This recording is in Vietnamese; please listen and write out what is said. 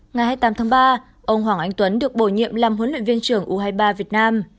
ngày hai mươi tám tháng ba ông hoàng anh tuấn được bổ nhiệm làm huấn luyện viên trưởng u hai mươi ba việt nam